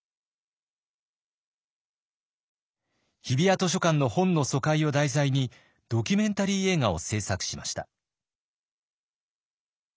日比谷図書館の本の疎開を題材にドキュメンタリー映画を製作しました。